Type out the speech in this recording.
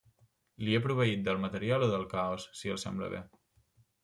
Li he proveït del material o del caos, si els sembla bé.